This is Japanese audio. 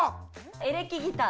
エレキギター。